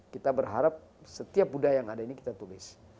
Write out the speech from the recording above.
kita berharap setiap budaya yang ada ini kita tulis